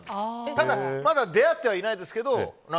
ただ、まだ出会ってはいないですが。